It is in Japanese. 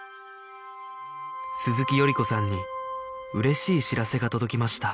鈴木賀子さんに嬉しい知らせが届きました